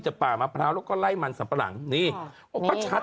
ชุดข่าวเนอะ